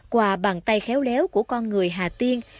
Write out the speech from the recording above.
quà bàn tay khéo léo của con người hà tiên